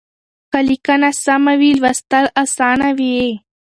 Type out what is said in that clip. که ليکنه سمه وي لوستل اسانه وي.